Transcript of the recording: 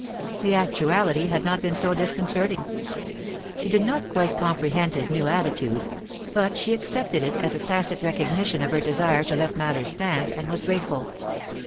The actuality had not been so disconcerting. She did not quite comprehend his new attitude, but she accepted it as a tacit recognition of her desire to let matters stand, and was grateful.